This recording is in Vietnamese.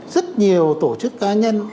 rất nhiều tổ chức cá nhân